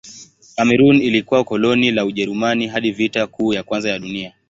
Kamerun ilikuwa koloni la Ujerumani hadi Vita Kuu ya Kwanza ya Dunia.